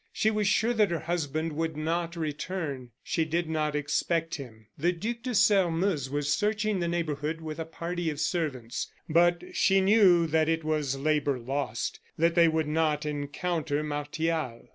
She was sure that her husband would not return; she did not expect him. The Duc de Sairmeuse was searching the neighborhood with a party of servants, but she knew that it was labor lost; that they would not encounter Martial.